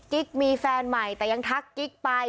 กิ๊กมีแฟนใหม่แต่ยังทักกิ๊กไป